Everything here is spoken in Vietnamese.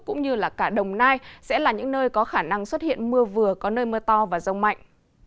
cũng như cả đồng nai sẽ là những nơi có khả năng xuất hiện mưa vừa có nơi mưa to và rông mạnh